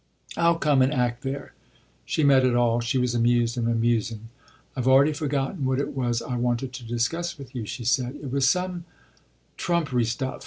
"I'll come and act there." She met it all she was amused and amusing. "I've already forgotten what it was I wanted to discuss with you," she said "it was some trumpery stuff.